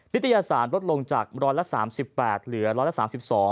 วิทยาศาสตร์ลดลงจากร้อยละ๓๘เหลือร้อยละ๓๒